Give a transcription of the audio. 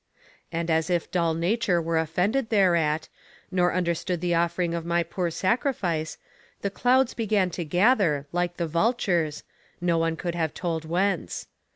And as if dull Nature were offended thereat, nor understood the offering of my poor sacrifice, the clouds began to gather, like the vultures no one could have told whence.